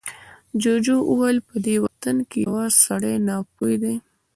جوجو وويل، په دې وطن کې پوه سړی ناپوه دی.